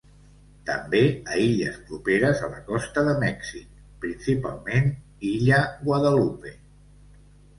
També a illes properes a la costa de Mèxic, principalment illa Guadalupe.